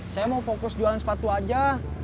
saya mau fokus jualan sepatu aja